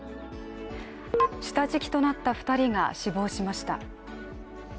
下敷きとなった２人が死亡しました。